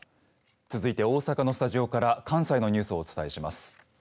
続いて大阪のスタジオから関西のニュースをお伝えします。